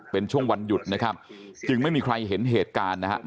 เป็นช่วงวันหยุดนะครับจึงไม่มีใครเห็นเหตุการณ์นะครับ